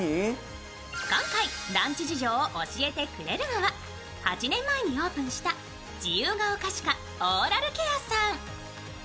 今回、ランチ事情を教えてくれるのは８年前にオープンした自由が丘歯科オーラルケアさん。